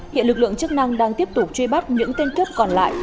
hiện lực lượng chức năng đang tiếp tục truy bắt những tên cướp còn lại